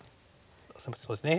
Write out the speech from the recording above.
そうですね